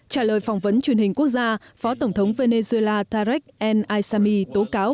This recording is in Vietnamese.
trả lời phỏng vấn truyền hình quốc gia phó tổng thống venezuela tarek al aissami tố cáo